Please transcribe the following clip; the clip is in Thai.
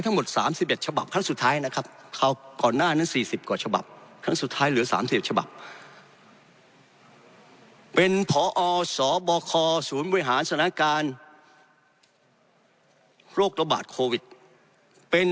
ทั้งหมด๓๑ฉบับครั้งสุดท้ายนะครับคราวก่อนหน้านั้น๔๐กว่าฉบับครั้งสุดท้ายเหลือ๓๐ฉบับเป็นพอสบคศูนย์บริหารสถานการณ์โรคระบาดโควิดเป็น